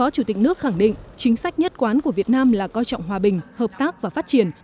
chứng sách nhất quán của việt nam là coi trọng hòa bình hợp tác và phát triển